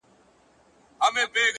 اشنـا په دې چــلو دي وپوهـېدم،